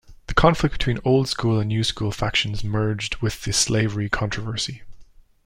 The conflict between Old School and New School factions merged with the slavery controversy.